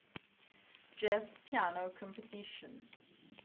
Jazz Piano Competition.